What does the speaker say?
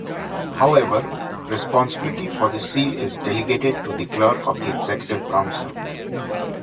However, responsibility for the seal is delegated to the Clerk of the Executive Council.